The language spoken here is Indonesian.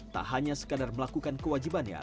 tak hanya sekadar melakukan kewajibannya